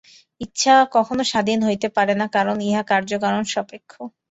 ইচ্ছা কখনও স্বাধীন হইতে পারে না, কারণ ইহা কার্য-কারণ-সাপেক্ষ।